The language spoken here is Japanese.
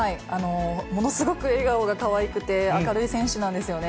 ものすごく笑顔がかわいくて、明るい選手なんですよね。